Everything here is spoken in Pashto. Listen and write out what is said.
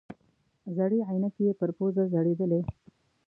زړې عینکې یې پر پوزه ځړېدلې.